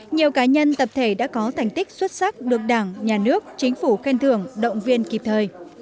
nhiều cá nhân tập thể đã có thành tích xuất sắc được đảng nhà nước chính phủ khen thưởng động viên kịp thời